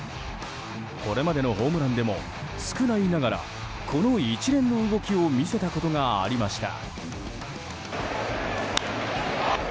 これまでのホームランでも少ないながらこの一連の動きを見せたことがありました。